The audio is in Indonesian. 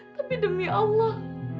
tapi demi allah